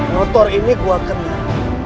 motor ini gua kenal